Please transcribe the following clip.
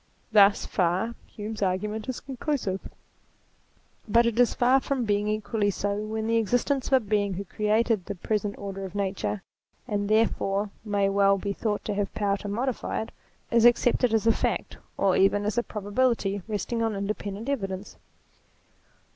Thus far Hume's argument is conclusive. But it is far from being equally so when the existence of a Being who created the present order of Nature, and, therefore, may well be thought to have power to modify it, is accepted as a fact, or even as a probability resting on independent evidence.